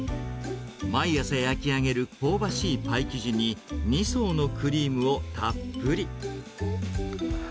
毎朝焼き上げる香ばしいパイ生地に２層のクリームをたっぷり。